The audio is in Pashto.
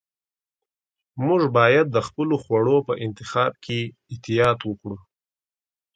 موږ باید د خپلو خوړو په انتخاب کې احتیاط وکړو.